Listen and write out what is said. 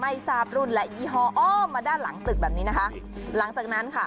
ไม่ทราบรุ่นและยี่ห้ออ้อมมาด้านหลังตึกแบบนี้นะคะหลังจากนั้นค่ะ